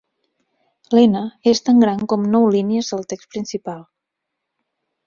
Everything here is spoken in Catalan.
L'N és tan gran com nou línies del text principal.